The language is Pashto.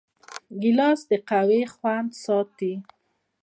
ګیلاس د قهوې خوند ساتي.